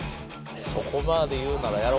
そこまで言うならやろか。